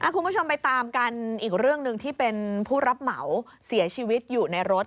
คุณผู้ชมไปตามกันอีกเรื่องหนึ่งที่เป็นผู้รับเหมาเสียชีวิตอยู่ในรถ